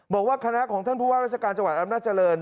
บอกว่าคณะของท่านผู้ว่าราชการจังหวัดอำนาจริง